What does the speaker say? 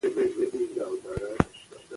هغوی به په هغه وخت کې د سړک پر غاړه انتظار کاوه.